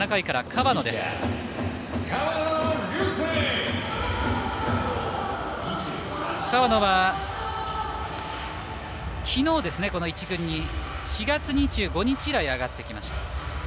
河野はきのう一軍に４月２５日以来上がってきました。